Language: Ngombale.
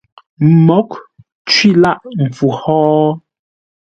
Mǒghʼ cwî lâʼ mpfu hó?